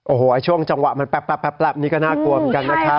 โอ้โหช่วงจังหวะมันแป๊บนี่ก็น่ากลัวเหมือนกันนะครับ